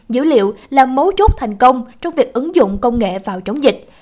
dữ liệu là mấu chốt thành công trong việc ứng dụng công nghệ vào chống dịch